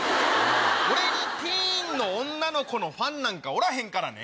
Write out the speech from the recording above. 俺にティーンの女の子のファンおらへんからね。